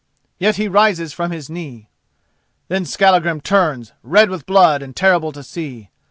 Yet he rises from his knee. Then Skallagrim turns, red with blood and terrible to see.